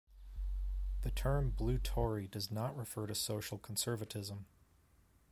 The term Blue Tory does not refer to social conservatism.